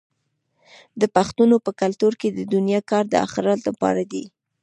د پښتنو په کلتور کې د دنیا کار د اخرت لپاره دی.